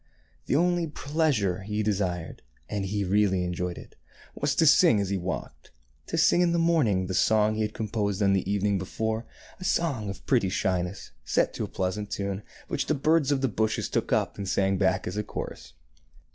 The only pleasure he desired — and he really enjoyed it — was to sing as he walked, — to sing in the morning the song he had composed on the evening before, a song of pretty shyness, set to a pleasant tune, which the birds of the bushes took up and sang back as a chorus.